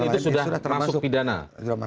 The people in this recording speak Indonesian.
itu sudah masuk pidana